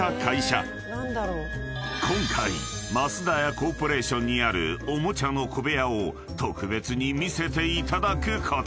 ［今回増田屋コーポレーションにあるおもちゃの小部屋を特別に見せていただくことに］